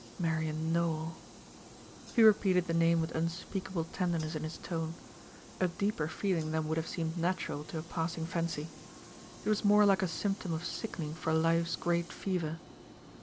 Marian Nowell!" He repeated the name with unspeakable tenderness in his tone a deeper feeling than would have seemed natural to a passing fancy. It was more like a symptom of sickening for life's great fever.